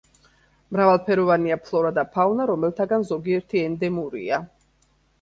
მრავალფეროვანია ფლორა და ფაუნა, რომელთაგან ზოგიერთი ენდემურია.